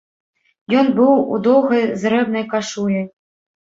Ён быў у доўгай зрэбнай кашулі.